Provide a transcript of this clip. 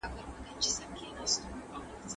آیا زموږ ټولنه ناروغه ده؟